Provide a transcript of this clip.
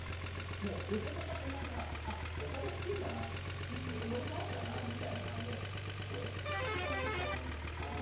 もう受け取った瞬間から「あっここでスピンだな」とか「ここでジャンプだな」みたいなのはもうすごい簡単に浮かびましたねそれは。